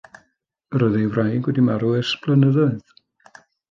Yr oedd ei wraig wedi marw ers blynyddoedd.